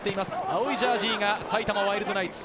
青いジャージーが埼玉ワイルドナイツ。